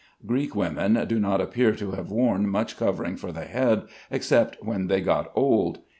Greek women do not appear to have worn much covering for the head, except when they got old.